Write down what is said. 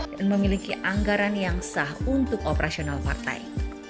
dan memiliki anggaran yang sah untuk operasional partai